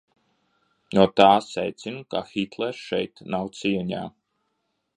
No tā secinu, ka Hitlers šeit nav cieņā.